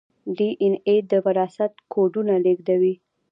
ډي این اې د وراثت کوډونه لیږدوي